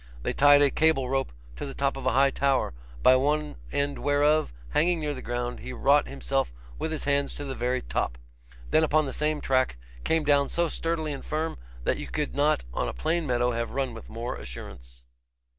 They tied a cable rope to the top of a high tower, by one end whereof hanging near the ground he wrought himself with his hands to the very top; then upon the same track came down so sturdily and firm that you could not on a plain meadow have run with more assurance.